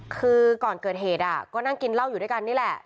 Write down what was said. คือก่อนเกิดเหตุก็นั่งกินเหล้าอยู่ด้วยกันนี่แหละ